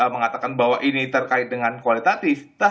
mengatakan bahwa ini terkait dengan kualitatif